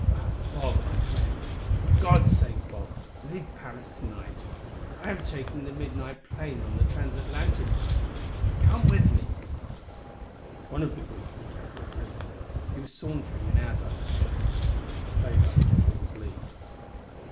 But, Bob, my friend for God's sake, Bob, leave Paris to night. I am taking the midnight plane on the Transatlantic Line. Come with me " One of the group at the table had risen; he was sauntering in our direction. I played up to Paul's lead.